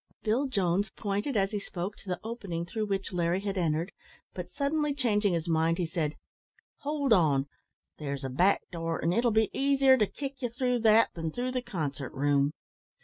Bill Jones pointed, as he spoke, to the opening through which Larry had entered, but, suddenly changing his mind, he said, "Hold on; there's a back door, an' it'll be easier to kick you through that than through the consart room."